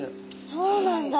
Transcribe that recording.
そうなんだ！